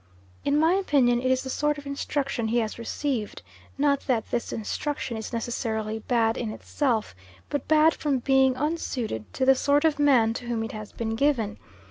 In my opinion, it is the sort of instruction he has received, not that this instruction is necessarily bad in itself, but bad from being unsuited to the sort of man to whom it has been given.